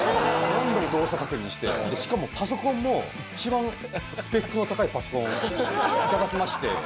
しかもパソコンも一番スペックの高いパソコンいただきまして。